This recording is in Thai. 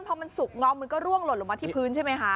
หรือว่ามันสุกเนาะมันก็ร่วงลงลดลงมาที่พื้นใช่ไหมคะ